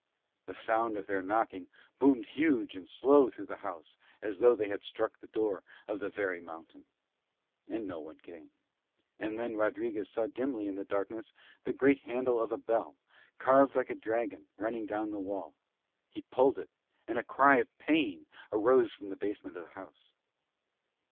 The sound of their knocking boomed huge and slow through the house as though they had struck the door of the very mountain. And no one came. And then Rodriguez saw dimly in the darkness the great handle of a bell, carved like a dragon running down the wall: he pulled it and a cry of pain arose from the basement of the house.